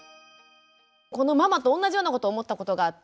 このママとおんなじようなこと思ったことがあって。